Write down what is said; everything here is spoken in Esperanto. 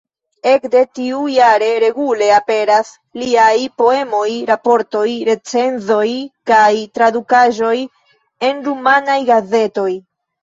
Ekde tiu jare regule aperas liaj poemoj, raportoj, recenzoj kaj tradukaĵoj en rumanaj gazetoj.